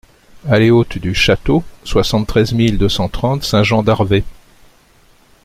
Allée Haute du Chateau, soixante-treize mille deux cent trente Saint-Jean-d'Arvey